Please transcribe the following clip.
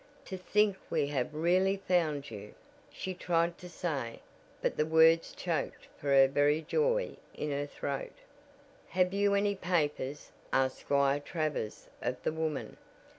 "To think we have really found you," she tried to say, but the words choked for very joy in her throat. "Have you any papers?" asked Squire Travers of the woman.